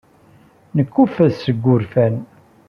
Nekkuffet seg wurfan.